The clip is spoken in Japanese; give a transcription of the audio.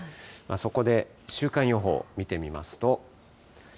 そこで週間予報見てみますと。